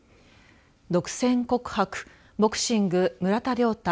独占告白ボクシング村田諒太